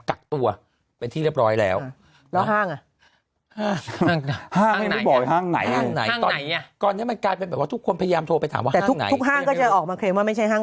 กักตัวเป็นที่เรียบร้อยแล้วแล้วห้าง